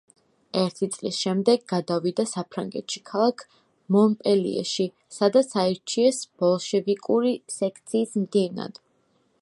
ერთი წლის შემდეგ გადავიდა საფრანგეთში, ქალაქ მონპელიეში, სადაც აირჩიეს ბოლშევიკური სექციის მდივნად.